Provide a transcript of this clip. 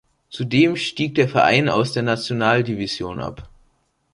Zudem stieg der Verein aus der Nationaldivision ab.